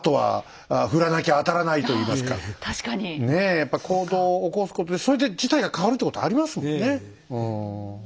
ねえやっぱり行動を起こすことでそれで事態が変わるってことありますもんねうん。